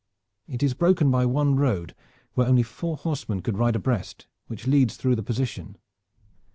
It is broken by one road where only four horsemen could ride abreast, which leads through the position.